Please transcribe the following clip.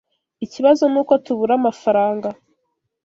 Ikibazo nuko tubura amafaranga.